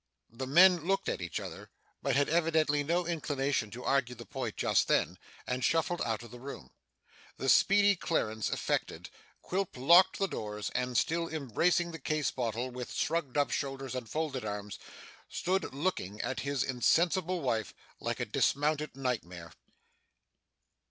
The men looked at each other, but had evidently no inclination to argue the point just then, and shuffled out of the room. The speedy clearance effected, Quilp locked the doors; and still embracing the case bottle with shrugged up shoulders and folded arms, stood looking at his insensible wife like a dismounted nightmare.